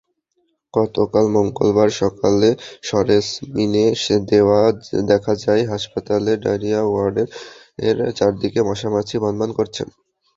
গতকাল মঙ্গলবার সকালে সরেজমিনে দেখা যায়, হাসপাতালের ডায়রিয়া ওয়ার্ডের চারদিকে মশা-মাছি ভনভন করছে।